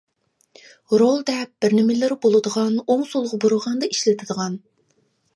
رول دەپ بىر نېمىلىرى بولىدىغان ئوڭ سولغا بۇرىغاندا ئىشلىتىدىغان.